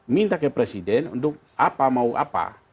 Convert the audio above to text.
minta ke presiden untuk apa mau apa